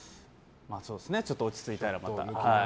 ちょっと落ち着いたら、また。